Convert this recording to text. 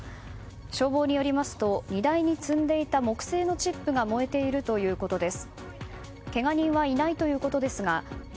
消防によりますと荷台に積んでいた木製のチップが燃えているということです。